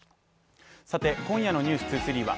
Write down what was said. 今夜の「ｎｅｗｓ２３」は